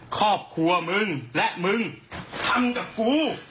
ครอบครัวมึงและมึงทำกับกู